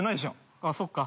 あっそっか。